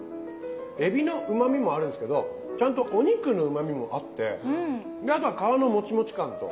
えびのうまみもあるんですけどちゃんとお肉のうまみもあってあとは皮のもちもち感と。